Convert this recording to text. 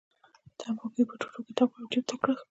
تنباکو یې په ټوټه کې تاو کړل او جېب ته یې کړل.